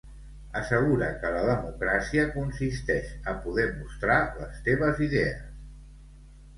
Assegura que la democràcia consisteix a poder mostrar les teves idees.